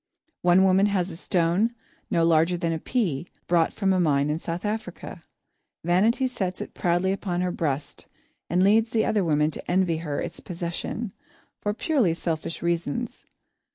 One woman has a stone, no larger than a pea, brought from a mine in South Africa. Vanity sets it proudly upon her breast and leads other women to envy her its possession, for purely selfish reasons.